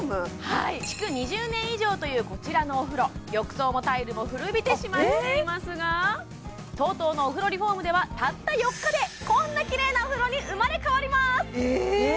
はい築２０年以上というこちらのお風呂浴槽もタイルも古びてしまっていますがＴＯＴＯのお風呂リフォームではたった４日でこんなきれいなお風呂に生まれ変わりますえ！